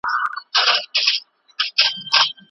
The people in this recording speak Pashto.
د لارښود خبرې له نورو سرچینو باور وړ وي.